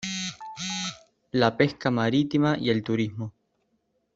La pesca marítima y el turismo.